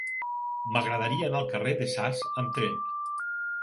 M'agradaria anar al carrer de Sas amb tren.